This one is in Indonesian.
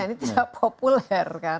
ini tidak populer kan